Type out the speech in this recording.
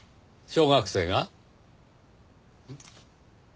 小学生が？